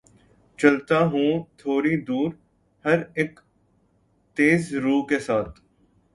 چلتا ہوں تھوڑی دور‘ ہر اک تیز رو کے ساتھ